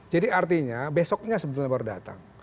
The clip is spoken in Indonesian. jadi artinya besoknya sebetulnya berdatang